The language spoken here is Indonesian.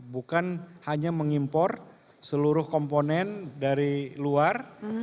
bukan hanya mengimpor seluruh komponen dari luar